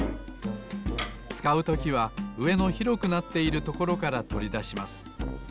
つかうときはうえの広くなっているところからとりだします。